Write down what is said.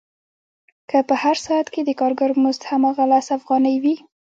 که په هر ساعت کې د کارګر مزد هماغه لس افغانۍ وي